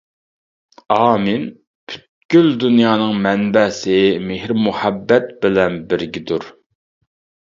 ئامىن پۈتكۈل دۇنيانىڭ مەنبەسى مېھىر-مۇھەببەت بىلەن بىرگىدۇر!